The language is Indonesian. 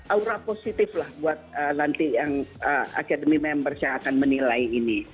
aura positif lah buat nanti yang academy members yang akan menilai ini